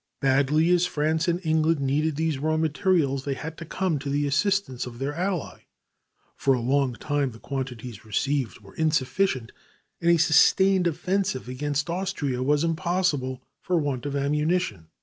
Badly as France and England needed these raw materials, they had to come to the assistance of their ally. For a long time the quantities received were insufficient, and a sustained offensive against Austria was impossible, for want of ammunition.